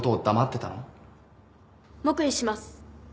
・黙秘します。